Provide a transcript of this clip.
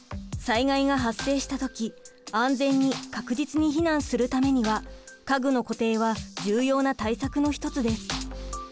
災害が発生した時安全に確実に避難するためには家具の固定は重要な対策の一つです。